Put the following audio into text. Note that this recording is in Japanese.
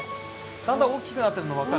だんだん大きくなってるの分かる？